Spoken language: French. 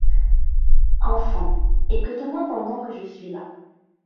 Enfant, écoute-moi, pendant que je suis là.